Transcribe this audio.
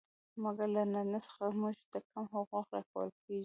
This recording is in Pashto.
مګر له نارينه څخه موږ ته کم حقوق را کول کيږي.